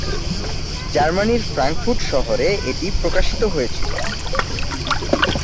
জার্মানির ফ্রাঙ্কফুর্ট শহরে এটি প্রকাশিত হয়েছিল।